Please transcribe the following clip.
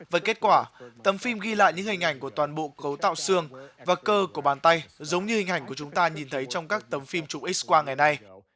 với kết quả tấm phim ghi lại những hình ảnh của toàn bộ cấu tạo xương và cơ của bàn tay giống như hình ảnh của chúng ta nhìn thấy trong các tấm phim chụp x qua ngày nay